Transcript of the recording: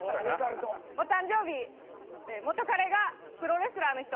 お誕生日元カレがプロレスラーの人。